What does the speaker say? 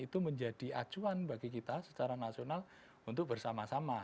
itu menjadi acuan bagi kita secara nasional untuk bersama sama